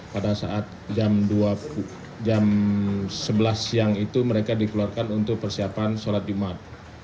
pada saat jam sebelas siang itu mereka dikeluarkan untuk persiapan sholat jumat